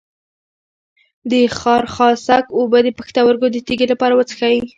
د خارخاسک اوبه د پښتورګو د تیږې لپاره وڅښئ